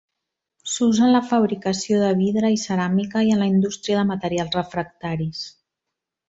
S'usa en la fabricació de vidre i ceràmica i en la indústria de materials refractaris.